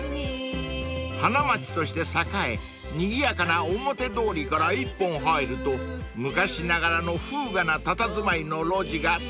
［花街として栄えにぎやかな表通りから一本入ると昔ながらの風雅なたたずまいの路地がそこかしこに］